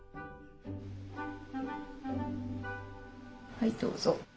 はいどうぞ。